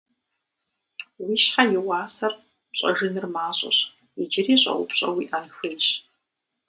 Уи щхьэ и уасэр пщӏэжыныр мащӏэщ - иджыри щӏэупщӏэ уиӏэн хуейщ.